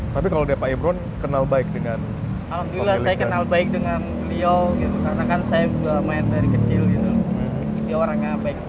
tapi kalau dia pak imron kenal baik dengan perempuan kamu